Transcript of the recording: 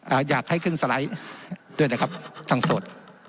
อยากให้ขึ้นสไลด์ด้วยนะครับทางโสด